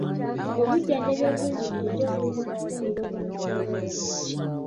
Obujjanjabi obulungi bulijjo bulina kufunibwa bantu balwadde.